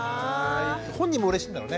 本人もうれしいんだろうね。